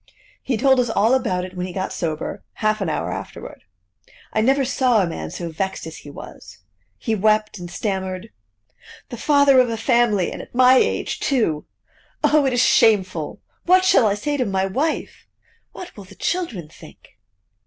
He told us all about it when he got sober, half an hour afterward. I never saw a man so vexed as he was. He wept, and stammered: "The father of a family, and at my age too! Oh! it is shameful! What shall I say to my wife? What will the children think?"